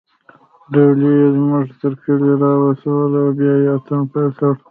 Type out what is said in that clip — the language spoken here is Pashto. ډولۍ يې زموږ تر کلي راورسوله او بیا يې اتڼ پیل کړ